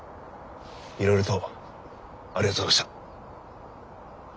いろいろとありがとうございました。